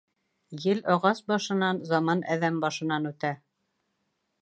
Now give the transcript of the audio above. Ел ағас башынан, заман әҙәм башынан үтә.